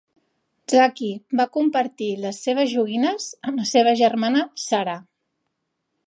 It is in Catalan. Zaki va compartir les seves joguines amb la seva germana Sarah.